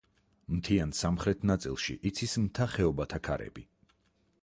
მთიან სამხრეთ ნაწილში იცის მთა-ხეობათა ქარები.